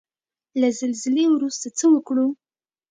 له زلزلې وروسته څه وکړو؟